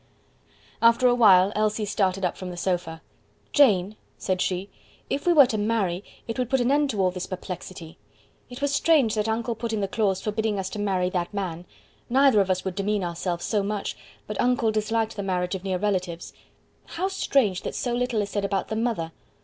After a while Elsie started up from the sofa. "Jane," said she, "if we were to marry, it would put an end to all this perplexity. It was strange that uncle put in the clause forbidding us to marry that man. Neither of us would demean ourselves so much, but uncle disliked the marriage of near relatives. How strange that so little is said about the mother.